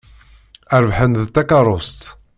Rebḥen-d takeṛṛust.